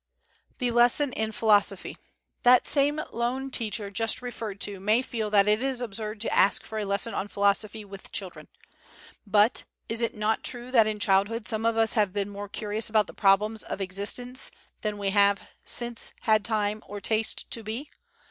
The Lesson in Philosophy. That same lone teacher just referred to may feel that it is absurd to ask for a lesson on philosophy with children. But, is it not true that in childhood some of us have been more curious about the problems of existence than we have since had time or taste to be?